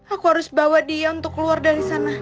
aku harus bawa dia untuk keluar dari sana